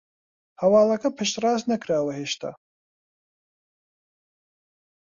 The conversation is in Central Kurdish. هەواڵەکە پشتڕاست نەکراوە هێشتا